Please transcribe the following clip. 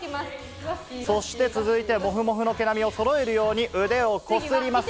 そして続いて、もふもふの毛並みをそろえるように、腕をこすります。